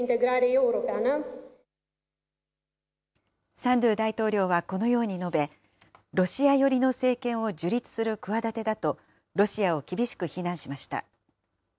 サンドゥ大統領はこのように述べ、ロシア寄りの政権を樹立する企てだと、ロシアを厳しく非難しました。